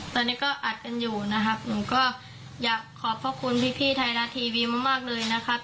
ตอนนี้ก็อัดกันอยู่นะครับหนูก็อยากขอบพระคุณพี่ไทยรัฐทีวีมากเลยนะครับ